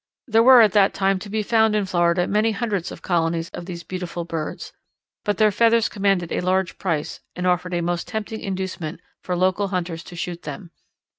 There were at that time to be found in Florida many hundreds of colonies of these beautiful birds, but their feathers commanded a large price and offered a most tempting inducement for local hunters to shoot them.